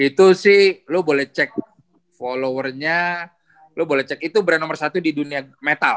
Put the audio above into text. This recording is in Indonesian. itu sih lo boleh cek followernya lo boleh cek itu brand nomor satu di dunia metal